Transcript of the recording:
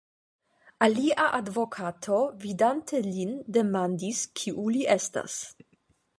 Alia advokato, vidante lin, demandis, kiu li estas.